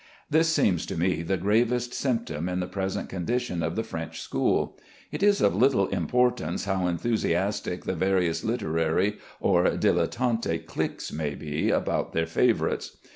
This seems to me the gravest symptom in the present condition of the French school. It is of little importance how enthusiastic the various literary or dilettanti cliques may be about their favorites.